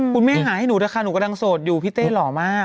คุณแม่หาให้หนูด้วยค่ะหนูกำลังโสดอยู่พี่เต้หล่อมาก